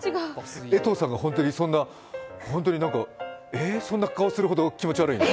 江藤さんが本当になんかそんな顔するほど気持ちわるいの？